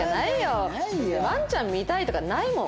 別にわんちゃん見たいとかないもん。